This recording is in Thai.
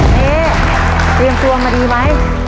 เอ๊เตรียมตัวมาดีไหม